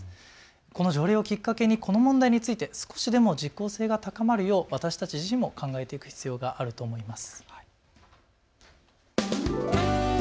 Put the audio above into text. この条例をきっかけにこの問題について少しでも実効性が高まるよう私たち自身も考えていく必要があると思います。